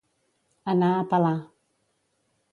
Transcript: Anar a pelar.